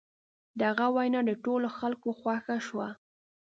د هغه وینا د ټولو خلکو خوښه شوه.